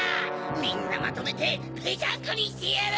みんなまとめてぺしゃんこにしてやる！